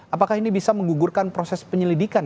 apakah ini bisa menggugurkan proses penyelidikan